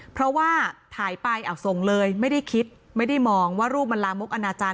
เพราะว่าถ่ายไปเอาส่งเลยไม่ได้คิดไม่ได้มองว่ารูปมันลามกอนาจาร